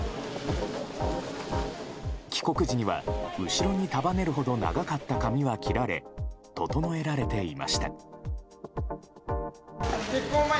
帰国時には、後ろに束ねるほど長かった髪は切られ整えられていました。